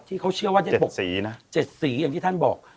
๗สีนะ๗สีอย่างที่ท่านบอก